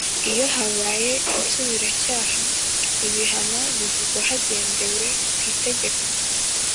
Iyo habaye insubiracyaha ibihano bivugwa hagendewe kw’itegeko